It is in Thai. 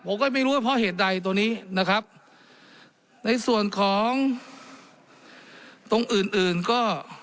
ผมก็ไม่รู้ว่าเพราะเหตุใดตัวนี้นะครับในส่วนของตรงอื่นอื่นก็